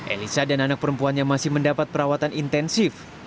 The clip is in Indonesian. elisa dan anak perempuannya masih mendapat perawatan intensif